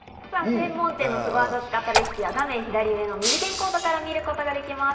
専門店のスゴ技を使ったレシピ、画面左上の二次元コードから見ることができます。